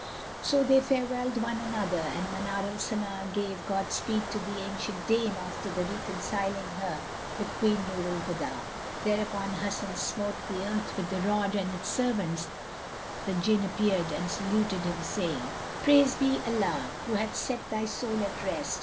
So they farewelled one another and Manar al Sana gave God speed to the ancient dame after the reconciling her with Queen Nur al Huda. Thereupon Hasan smote the earth with the rod and its servants the Jinn appeared and saluted him, saying, "Praised be Allah, who hath set thy soul at rest!